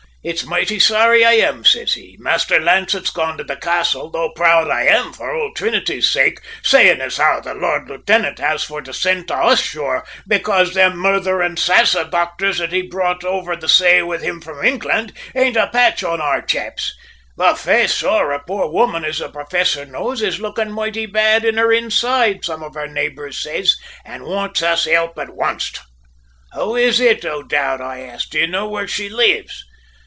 `It's moighty sorry I am,' says he; `Master Lancett's gone to the castle, though proud I am for ould Trinity's sake, sayin' as how the Lord Lieutenant has for to send to us, sure, bekase them murtheren' 'sassa docthers that he brought from over the say with him from Inkland ain't a patch on our chaps! But, faix, sor, a poor woman as the professor knows is took moighty bad in her inside, some of her neighbours says, an' wants help at onst!' "`Who is it, O'Dowd?' I asks. `Do you know where she lives?'